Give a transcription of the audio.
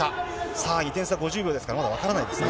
さあ２点差５０秒ですから、まだ分からないですね。